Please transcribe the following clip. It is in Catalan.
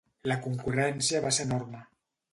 La concurrència va ser enorme.